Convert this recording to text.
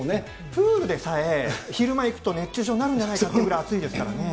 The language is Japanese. プールでさえ、昼間行くと、熱中症になるんじゃないかっていうぐらい暑いですからね。